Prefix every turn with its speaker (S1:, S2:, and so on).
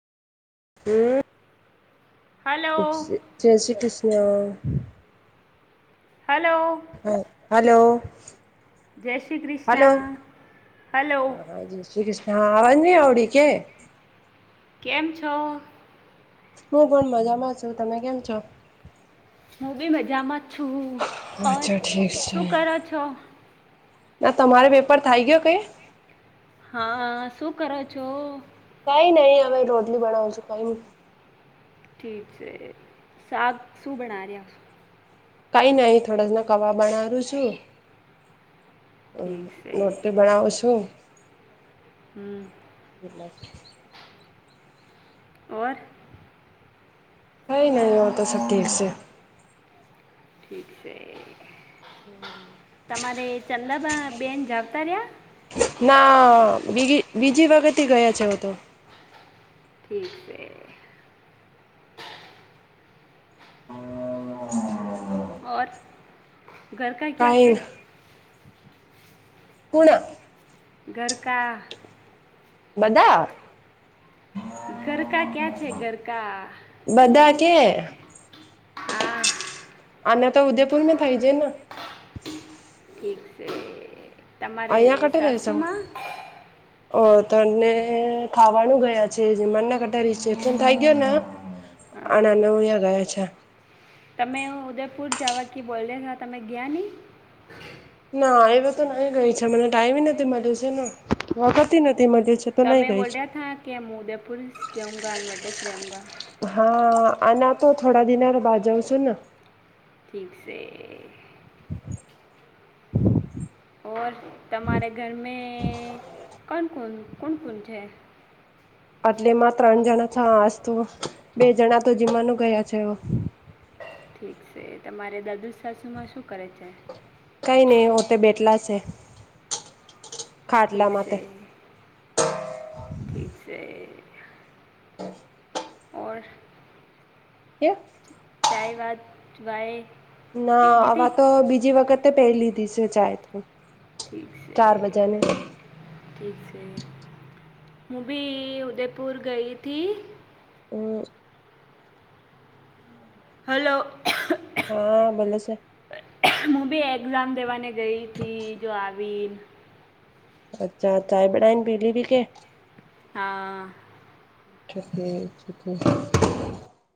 S1: હમ.
S2: Hello
S1: જ જય Shri Krishna.
S2: Hello.
S1: હા હલો.
S2: જય શ્રી
S1: હલો
S2: કૃષ્ણ હલો.
S1: હા જય શ્રી કૃષ્ણ વા નહી આવડી કે.
S2: કેમ છો.
S1: હું પણ મજામાં છું તમે કેમ છો.
S2: હું બી મજામાં છું ઓર
S1: અચ્છા ઠીક છે
S2: શું કરો છો.
S1: ના તમારો પેપર થાય ગયો ક.
S2: હા શું કરો છો.
S1: કઈ નઈ હવે રોટલી બનાવ છું કઈ.
S2: ઠીક છે શક શું બના રહ્યા.
S1: કઈ ન અહી થોડ જ ના કવા બનાું છું. હમ
S2: ઠીક છે
S1: રોટલી બનાવું છું.
S2: હમ.
S1: મ [unintelligible]
S2: ઓર.
S1: હ નહીં હો તો શ દર છે.
S2: ઠી છે.
S1: હમ.
S2: તમારે ચંદબબહેન જવતા રહ્યા.
S1: ના બી બીજી વખત ગયા છે તો
S2: ઠી છે ઘર કા ક્યા
S1: કઈ
S2: છે
S1: પણા
S2: ઘરકા
S1: બધા
S2: ગરકા ક્યાં છે ગરકા
S1: બધા કે
S2: હા
S1: અને તો ઉદયપુર થાયજે ને
S2: ઠીક છે તમારે
S1: અહિયાં કટે રહે છો
S2: સાસુમાં
S1: ઓ તને ખાવાનું ગયા છે જે મને કરતા રિસેપ્શન થઈ ગયો ને
S2: અ,
S1: આના નયા ગયા છે
S2: તમે ઉદયપુર જવા કે બોલે હા તમે ગયા નહીં
S1: ના એવે તો નહી ગઈ છે મને ટાઈમ નથી મળ્યો છે ને વખત નથી મળ્યું છે તો નહી
S2: તમે
S1: ગઈ છે
S2: બોલ્યા હતા કે હું ઉદયપુર જઉંગા અનેનવર્ટેસ લેઉંગા
S1: હા અનેના તો થોડા દિનર બાજઉ છું ને
S2: ઠીક છે ઓ તમારે ઘર મે કોણ કોન કોન કોન છે
S1: એટલેમાં ત્રણ જણા છ આજ તો બે જણા તો જીમવાનું ગયા છે
S2: ઠીક છે તમારે દાદુ સાસુમાં શું કરે છે
S1: કઈ નહ હોતે બેઠલા છે ખાટલા
S2: ઠીક છે
S1: માટે
S2: ઠીક છે ઓર
S1: કેે
S2: ચાય વાત ભય
S1: ના આવા તો બીજી વખતે પહેલી દીસે ચાય તો
S2: ઠીક છે
S1: ચાર બજાને
S2: ઠીક છે હું ભી ઉદયપુર ગઈ હતીથી
S1: હ
S2: હલો
S1: હા બોલો છે
S2: હું બી એક્ઝામ દેવાને ગઈ હતી જો આવી
S1: અચ્છા ચાય બનાાયને પીલી પી કે
S2: હા
S1: અચ ઠી છે ઠી